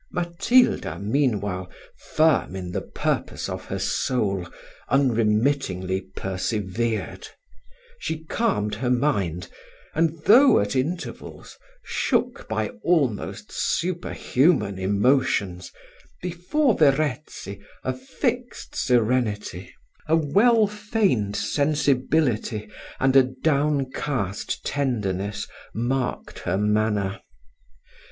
Matilda, meanwhile, firm in the purpose of her soul, unremittingly persevered: she calmed her mind, and though, at intervals, shook by almost super human emotions, before Verezzi a fixed serenity, a well feigned sensibility, and a downcast tenderness, marked her manner.